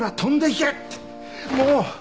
もう！